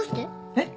えっ？